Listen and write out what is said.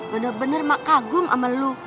bener bener ma kagum sama lu